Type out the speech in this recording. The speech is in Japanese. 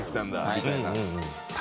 みたいな。